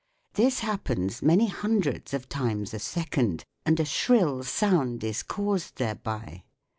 This happens many hundreds of times a second, and a shrill sound is caused thereby.